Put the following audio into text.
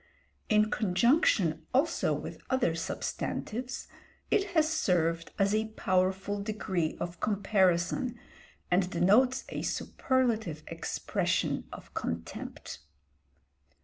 In conjunction also with other substantives, it has served as a powerful degree of comparison and denotes a superlative expression of contempt.